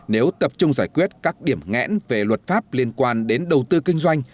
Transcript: nếu tập trung giải quyết các điểm ngẽn về luật pháp liên quan đến đầu tư kinh doanh